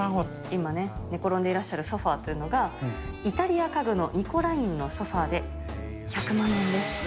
今ね、寝転んでいらっしゃるソファというのが、イタリア家具のニコラインのソファで１００万円です。